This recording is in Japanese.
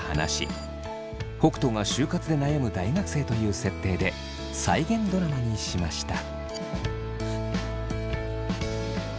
北斗が就活で悩む大学生という設定で再現ドラマにしました。